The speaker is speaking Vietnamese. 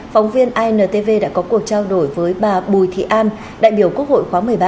phóng viên intv đã có cuộc trao đổi với bà bùi thị an đại biểu quốc hội khóa một mươi ba